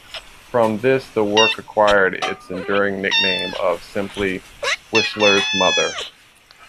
From this the work acquired its enduring nickname of simply "Whistler's Mother".